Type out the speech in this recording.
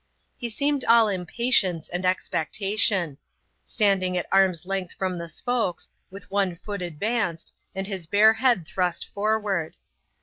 He seemed all impatience and expectation; standing at arm's length from the spokes, with one foot advanced, and his bare head thrust forward.